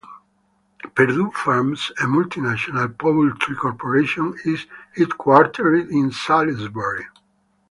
Perdue Farms, a multi-national poultry corporation, is headquartered in Salisbury.